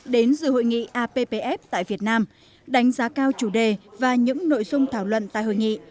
đến dự hội nghị appf tại việt nam đánh giá cao chủ đề và những nội dung thảo luận tại hội nghị